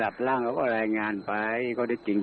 ถัดแรงบอกเขาจะทำงานละเหนียวเหตุผล